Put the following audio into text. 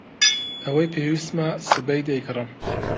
ئەوەی پێویستمە سبەی دەیکڕم.